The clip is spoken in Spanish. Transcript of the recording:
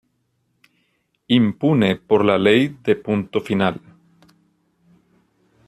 Impune por la Ley de Punto Final.